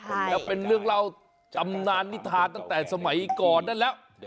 แล้วเป็นเรื่องเล่าจำนานนิทาตั้งแต่สมัยก่อนนั่นแล้ว